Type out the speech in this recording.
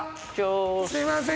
すみません